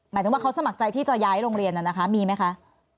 หมายถึงว่าเขาสมัครใจที่จะย้ายโรงเรียนน่ะนะคะมีไหมคะ